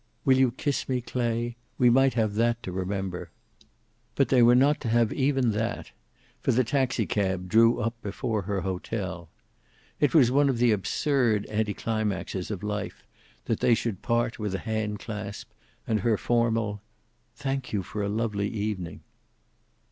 "Will you kiss me, Clay? We might have that to remember." But they were not to have even that, for the taxicab drew up before her hotel. It was one of the absurd anti climaxes of life that they should part with a hand clasp and her formal "Thank you for a lovely evening."